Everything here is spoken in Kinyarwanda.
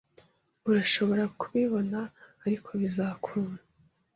Urashobora kubibona ariko bizakuna